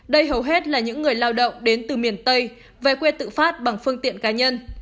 đây hầu hết là những người lao động đến từ miền tây về quê tự phát bằng phương tiện cá nhân